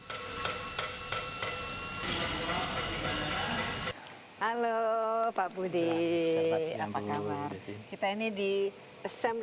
halo pak budi apa kabar